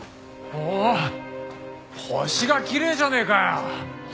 おおっ星がきれいじゃねえかよ！